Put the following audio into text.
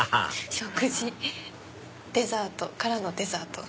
食事デザートからのデザート。